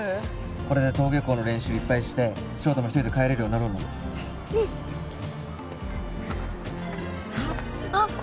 これで登下校の練習いっぱいして翔太も一人で帰れるようになろうなうんあっ！あっ！